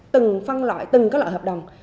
từng phân loại từng các loại hợp đồng